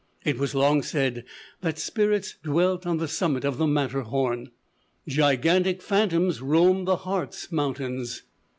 It was long said that spirits dwelt on the summit of the Matterhorn. Gigantic phantoms roamed the Harz Mountains.